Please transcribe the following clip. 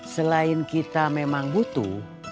selain kita memang butuh